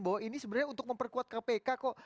bahwa ini sebenarnya untuk memperkuat kpk kok